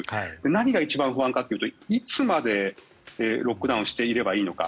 何が一番不安かというといつまでロックダウンしていればいいのか。